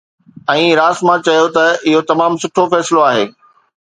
۽ راسما چيو ته اهو تمام سٺو فيصلو آهي.